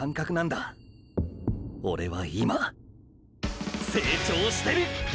オレは今成長してる！！